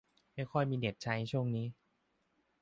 ไม่ค่อยมีเน็ตใช้ช่วงนี้